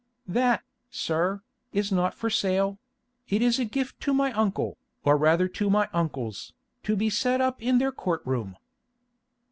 "That, sir, is not for sale; it is a gift to my uncle, or rather to my uncles, to be set up in their court room."